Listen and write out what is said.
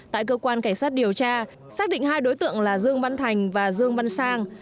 tại cơ quan cảnh sát điều tra xác định hai đối tượng là dương văn thành và dương văn sang